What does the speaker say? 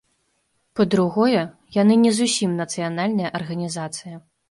Па-другое, яны не зусім нацыянальная арганізацыя.